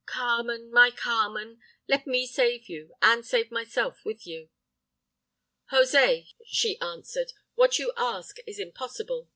Carmen, my Carmen, let me save you, and save myself with you.' "'Jose,' she answered, 'what you ask is impossible.